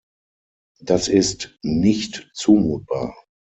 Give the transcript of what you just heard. Das ist nicht zumutbar!